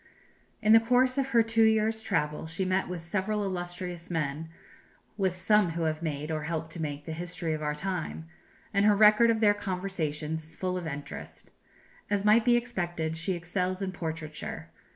In the course of her two years' travel she met with several illustrious men with some who have made, or helped to make, the history of our time and her record of their conversations is full of interest. As might be expected, she excels in portraiture.